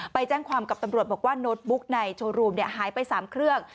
ไปแจ้งความกับตำรวจบอกว่าโน้ตบุ๊กในโชว์รูมหายไป๓เครื่อง